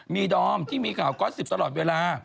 มีดอมที่มีข่าวกอสซิบตลอดเวลา